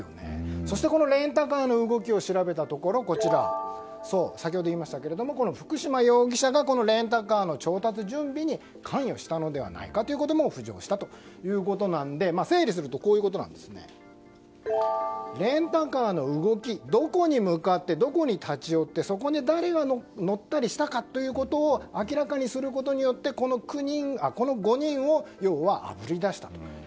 そして、レンタカーの動きを調べたところ先ほど言いましたが福島容疑者がレンタカーの調達準備に関与したのではないかと浮上したということなので整理すると、レンタカーの動きどこに向かってどこに立ち寄ってそこで誰が乗ったりしたかということを明らかにすることによってこの５人を要は、あぶり出したと。